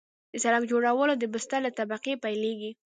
د سرک جوړول د بستر له طبقې پیلیږي